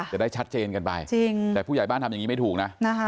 จะได้ชัดเจนกันไปจริงแต่ผู้ใหญ่บ้านทำอย่างนี้ไม่ถูกนะ